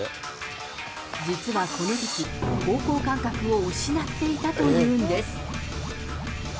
実は、このとき、方向感覚を失っていたというのです。